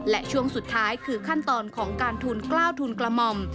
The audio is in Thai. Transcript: และช่วงสุดท้ายคือขั้นตอนของการทุนกล้าวทุนกระหม่อม